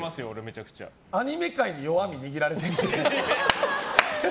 アニメ界で弱み握られてる。